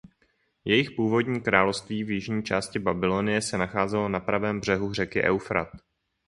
Jejich původní království v jižní části Babylonie se nacházelo na pravém břehu řeky Eufrat.